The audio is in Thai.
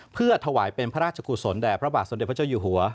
เพื่อถวายเป็นพระราชกุศลแด่พระบาทสมเด็จพระเจ้าอยู่หัว